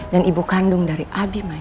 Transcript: dan ibu kandung dari abi manu